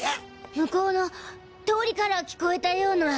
向こうの通りから聞こえたような。